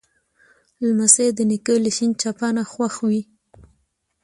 لمسی د نیکه له شین چپنه خوښ وي.